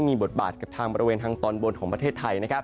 มีบทบาทกับทางบริเวณทางตอนบนของประเทศไทย